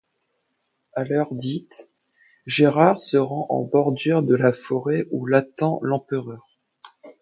À l'heure dite, Gérard se rend en bordure de la forêt où l'attend l'empereur.